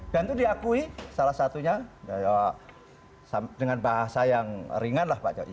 dan itu diakui salah satunya dengan bahasa yang ringan lah pak jokowi